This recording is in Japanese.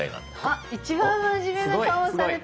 あっ一番まじめな顔をされてる。